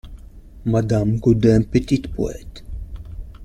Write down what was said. Madame Gaudin Petite poète !